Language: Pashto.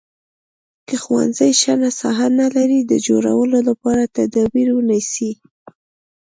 که ښوونځی شنه ساحه نه لري د جوړولو لپاره تدابیر ونیسئ.